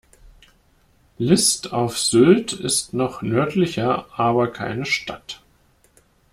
List auf Sylt ist noch nördlicher, aber keine Stadt.